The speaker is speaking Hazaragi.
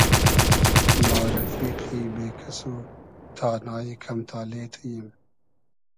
ما رئفیقی بې کئس و تانای کئم تالې تو ییم